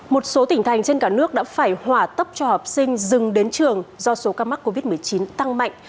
một số tỉnh thành trên cả nước đã phải hỏa tốc cho học sinh dừng đến trường do số ca mắc covid một mươi chín tăng mạnh